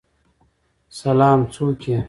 سلام، څوک یی؟